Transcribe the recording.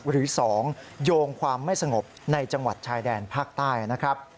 หรือ๒โยงความไม่สงบในจังหวัดชายแดนภาคใต้นะครับ